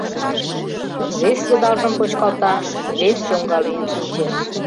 Вес йыдалжым почкалта Вес чоҥга лийын шинчеш